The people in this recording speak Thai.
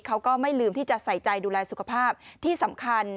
เขาก็ไม่ลืมที่จะใส่ใจดูแลสุขภาพที่สำคัญ